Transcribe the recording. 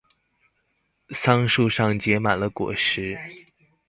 桑樹上結滿了果實